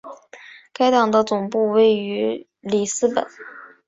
该党的总部位于里斯本。